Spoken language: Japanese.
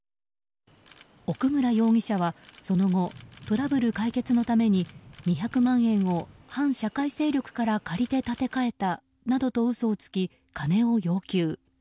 奥村容疑者は、その後トラブル解決のために２００万円を反社会勢力から借りて立て替えたなどと嘘をつき金を要求。